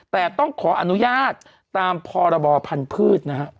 แต่ต้องขออนุญาตตามพรบพันธุ์พืชนะฮะ